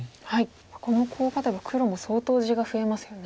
このコウ勝てば黒も相当地が増えますよね。